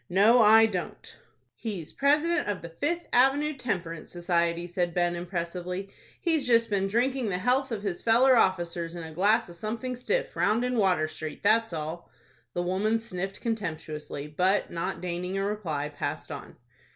"No, I don't." "He's President of the Fifth Avenue Temperance Society," said Ben, impressively. "He's just been drinking the health of his feller officers in a glass of something stiff, round in Water Street, that's all." The woman sniffed contemptuously, but, not deigning a reply, passed on.